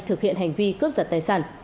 thực hiện hành vi cướp giật tài sản